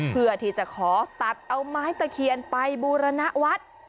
เพื่อที่จะขอตัดเอาไม้ตะเคียนไปบูรณวัฒน์